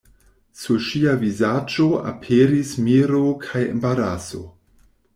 Sur ŝia vizaĝo aperis miro kaj embaraso.